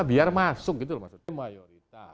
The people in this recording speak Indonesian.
biar masuk gitu maksudnya